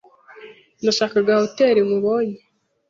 Nashakaga hoteri, nkubonye.